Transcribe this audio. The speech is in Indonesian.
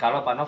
kalau pak noff